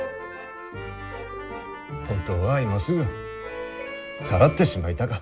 本当は今すぐさらってしまいたか。